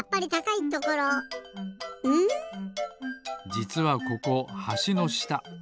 じつはここはしのした。